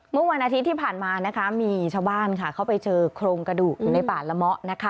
เมื่อวันอาทิตย์ที่ผ่านมานะคะมีชาวบ้านค่ะเขาไปเจอโครงกระดูกอยู่ในป่าละเมาะนะคะ